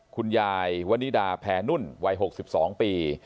คุณยายวันนิดาแผนนุ่นวัยหกสิบสองปี